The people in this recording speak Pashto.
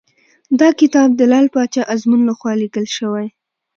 دا کتاب د لعل پاچا ازمون لخوا لیکل شوی .